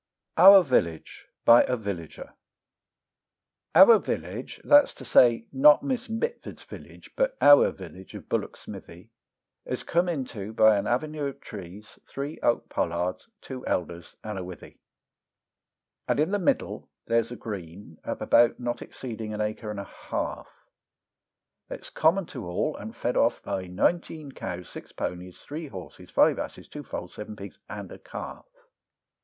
] OUR VILLAGE. BY A VILLAGER. Our village, that's to say, not Miss Mitford's village, but our village of Bullock Smithy, Is come into by an avenue of trees, three oak pollards, two elders, and a withy; And in the middle there's a green, of about not exceeding an acre and a half; It's common to all and fed off by nineteen cows, six ponies, three horses, five asses, two foals, seven pigs, and a calf!